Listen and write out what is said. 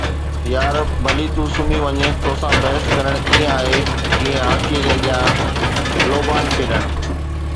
يار، ڀلي تون سمهي وڃ، توسان بحث ڪرڻ ائين آهي جيئن هاٿي جي اڳيان لوبان کيڏڻ.